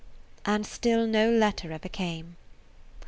And still no letter ever came.